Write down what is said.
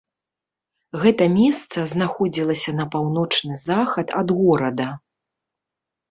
Гэта месца знаходзіліся на паўночны захад ад горада.